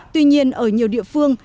tuy nhiên ở nhiều địa phương